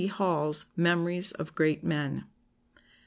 Hall's Memories of Great Men.